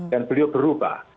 dan beliau berubah